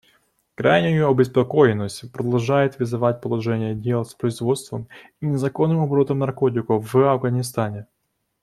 Крайнюю обеспокоенность продолжает вызывать положение дел с производством и незаконным оборотом наркотиков в Афганистане.